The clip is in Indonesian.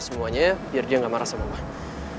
semuanya biar dia gak marah sama mama